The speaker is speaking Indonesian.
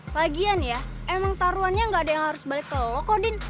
lagian ya emang taruhannya gak ada yang harus balik ke lo kok din